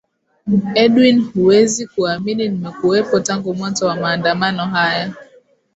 edwin huwezi kuamini nimekuwepo tangu mwanzo wa maandamano haya